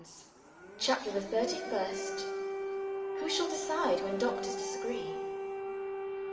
CHAPTER THE THIRTY FIRST "Who Shall Decide when Doctors disagree?"